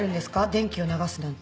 電気を流すなんて。